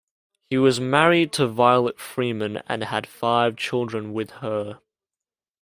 He was married to Violet Freeman and had five children with her.